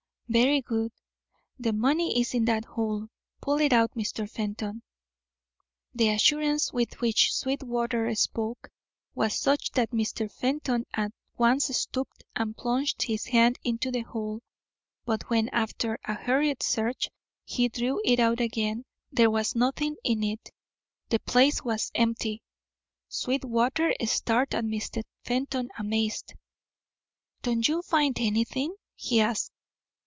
"Very good; the money is in that hole. Pull it out, Mr. Fenton." The assurance with which Sweetwater spoke was such that Mr. Fenton at once stooped and plunged his hand into the hole. But when, after a hurried search, he drew it out again, there was nothing in it; the place was empty. Sweetwater stared at Mr. Fenton amazed. "Don't you find anything?" he asked.